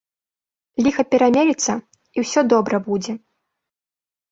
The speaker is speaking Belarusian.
Ліха перамелецца, і ўсё добра будзе.